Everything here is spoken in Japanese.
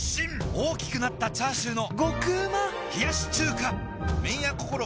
大きくなったチャーシューの麺屋こころ